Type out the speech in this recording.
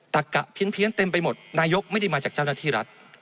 ตะกะเพี้ยนเต็มไปหมดนายกไม่ได้มาจากเจ้าหน้าที่รัฐ